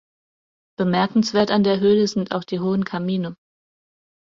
Bemerkenswert an der Höhle sind auch die hohen Kamine.